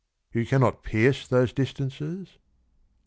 You cannot pierce those distances